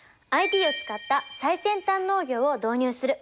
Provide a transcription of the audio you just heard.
ＩＴを使った最先端農業を導入する。